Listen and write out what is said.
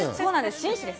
紳士です。